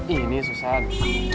ih ini susah nih